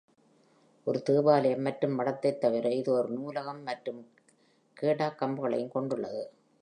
ஒரு தேவாலயம் மற்றும் மடத்தைத் தவிர, இது ஒரு நூலகம் மற்றும் கேடாகம்ப்களையும் கொண்டுள்ளது.